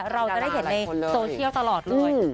เราจะได้เห็นในโซเชียลตลอดเลย